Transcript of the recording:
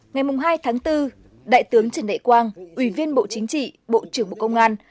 ngày hai tháng bốn đại tướng trần đại quang ủy viên bộ chính trị bộ trưởng bộ công an